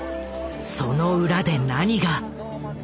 その裏で何が？